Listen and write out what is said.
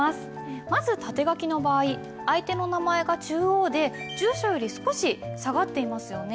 まず縦書きの場合相手の名前が中央で住所より少し下がっていますよね。